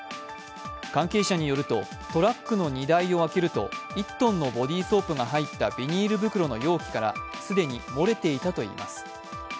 関係者によると、トラックの荷台を開けると１ｔのボディーソープが入ったビニール袋の容器から既に漏れていたといいます。